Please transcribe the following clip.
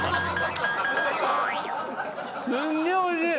すんげえおいしい！